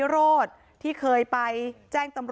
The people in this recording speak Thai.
โปรดติดตามต่อไป